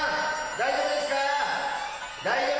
大丈夫ですか？